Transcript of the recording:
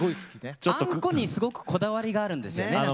あんこにすごくこだわりがあるんですよね何かね。